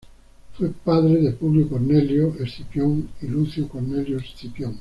Fue padre de Publio Cornelio Escipión y Lucio Cornelio Escipión.